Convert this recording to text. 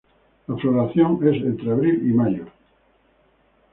La floración es entre Abril y Mayo.